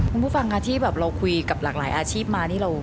คุณผู้ฟังค่ะที่แบบเราคุยกับหลากหลายอาชีพมานี่